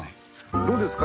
どうですか？